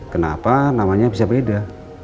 kenapa namanya bisa beda